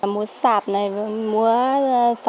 múa sạp này múa sáu địa sẻ cổ